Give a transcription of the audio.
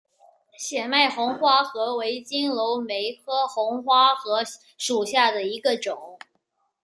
显脉红花荷为金缕梅科红花荷属下的一个种。